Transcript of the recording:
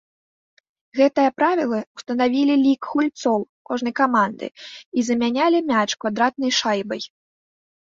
Гэтыя правілы ўстанавілі лік гульцоў кожнай каманды і замянялі мяч квадратнай шайбай.